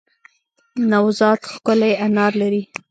نوزاد ښکلی انار لری